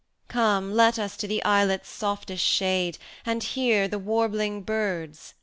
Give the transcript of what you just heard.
Come, let us to the islet's softest shade, And hear the warbling birds!